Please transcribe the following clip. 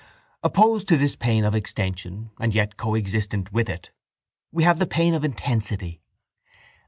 —Opposed to this pain of extension and yet coexistent with it we have the pain of intensity.